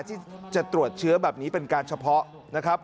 ที่จะตรวจเชื้อแบบนี้เป็นการเฉพาะนะครับ